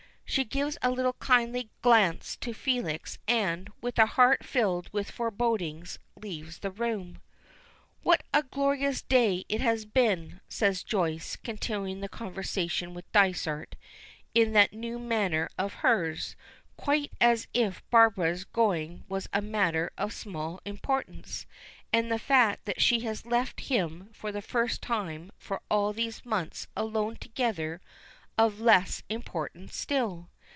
She gives a little kindly glance to Felix, and, with a heart filled with forebodings, leaves the room. "What a glorious day it has been!" says Joyce, continuing the conversation with Dysart in that new manner of hers, quite as if Barbara's going was a matter of small importance, and the fact that she has left them for the first time for all these months alone together of less importance still.